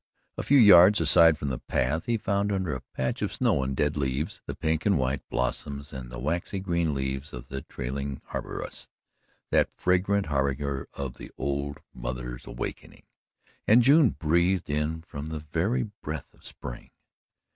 A few yards aside from the path he found, under a patch of snow and dead leaves, the pink and white blossoms and the waxy green leaves of the trailing arbutus, that fragrant harbinger of the old Mother's awakening, and June breathed in from it the very breath of spring.